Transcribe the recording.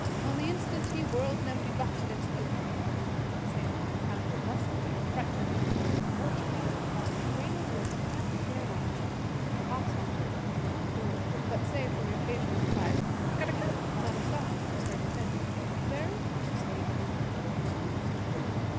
On the instant he whirled an empty box against the opening, at the same time pounding lustily to frighten the thief from killing more chickens. Reynard was trapped sure enough. The fox hunter listened at the door, but save for an occasional surprised cut aa cut, not a sound was heard within. Very cautiously he opened the door and squeezed through.